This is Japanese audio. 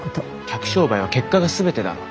客商売は結果が全てだろ。